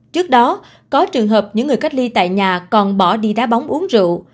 trước đó có trường hợp những người cách ly tại nhà còn bỏ đi đá bóng uống rượu